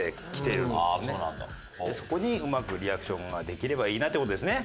そこにうまくリアクションができればいいなって事ですね。